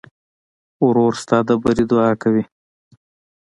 ورور ستا د بري دعا کوي.